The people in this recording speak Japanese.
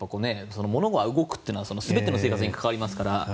物は動くというのは全ての生活に関わりますから。